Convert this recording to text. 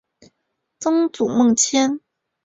曾祖孟廉。